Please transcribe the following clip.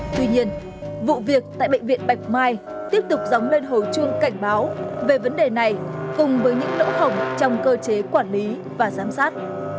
tuy nhiên vụ việc tại bệnh viện bạch mai tiếp tục dóng lên hồi chuông cảnh báo về vấn đề này cùng với những lỗ hổng trong cơ chế quản lý và giám sát